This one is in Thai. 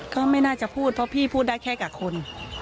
ก็ไม่น่าจะพูดเพราะพี่พูดได้แค่กับคน